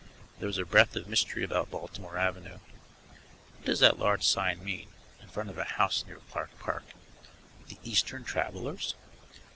There is a breath of mystery about Baltimore Avenue. What does that large sign mean, in front of a house near Clark Park THE EASTERN TRAVELLERS?